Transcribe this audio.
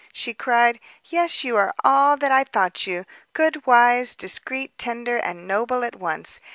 she cried, "yes, you are all that I thought you! good, wise, discreet, tender, and noble at once!